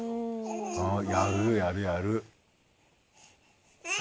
あやるやるやる。